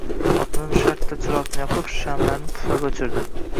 Xotinim shartta chiroqni yoqib, shamlarni puflab o`chirdi